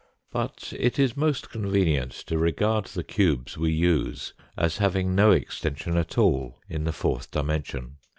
But it is most convenient to regard the cubes we use as having no extension at all in the fourth dimension.